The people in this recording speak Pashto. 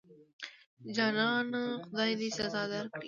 جانانه خدای دې سزا درکړي.